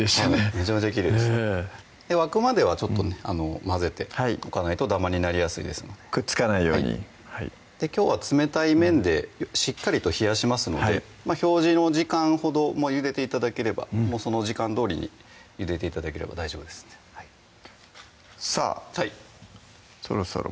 めちゃめちゃきれいでした沸くまでは混ぜておかないとダマになりやすいですのでくっつかないようにきょうは冷たい麺でしっかりと冷やしますので表示の時間ほどゆでて頂ければその時間どおりにゆでて頂ければ大丈夫ですんでさぁそろそろ